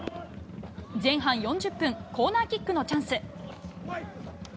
前半４０分、コーナーキックのチャンス。